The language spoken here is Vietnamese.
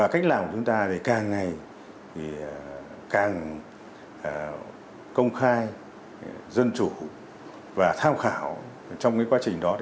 càng công khai dân chủ và tham khảo trong quá trình đó